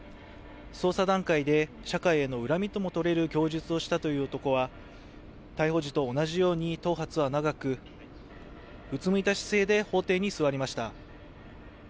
捜査段階で社会への恨みとも取れる供述をしたというところは逮捕時と同じように頭髪は長く、うつむいた姿勢で法廷に座りました。